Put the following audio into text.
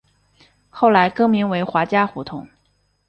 后来更名为华嘉胡同。